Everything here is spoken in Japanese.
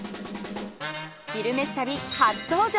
「昼めし旅」初登場。